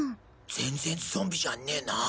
全然ゾンビじゃねな。